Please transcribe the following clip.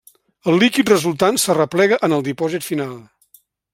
El líquid resultant s'arreplega en el dipòsit final.